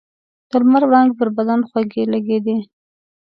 د لمر وړانګې پر بدن خوږې لګېدې.